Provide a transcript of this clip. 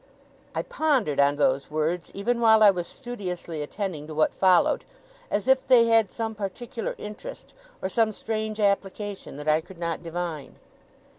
I pondered on those words, even while I was studiously attending to what followed, as if they had some particular interest, or some strange application that I could not divine.